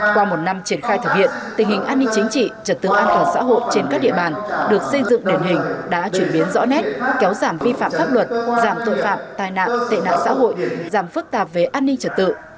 qua một năm triển khai thực hiện tình hình an ninh chính trị trật tự an toàn xã hội trên các địa bàn được xây dựng điển hình đã chuyển biến rõ nét kéo giảm vi phạm pháp luật giảm tội phạm tai nạn tệ nạn xã hội giảm phức tạp về an ninh trật tự